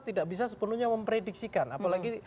tidak bisa sepenuhnya memprediksikan apalagi